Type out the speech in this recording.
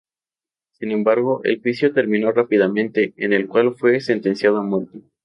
Sin embargo, el juicio terminó rápidamente, en el cual fue sentenciado a muerte.